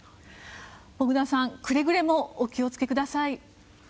ボグダンさん、くれぐれもお気を付けください。